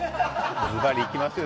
ズバリいきますよ